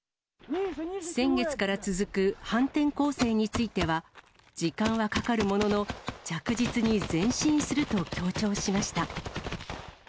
先月から続く反転攻勢については、時間はかかるものの、着実に前進すると強調しました。